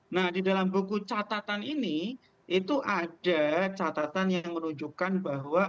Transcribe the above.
nah di dalam buku catatan ini itu ada catatan yang menunjukkan bahwa